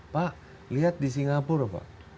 pak lihat di singapura pak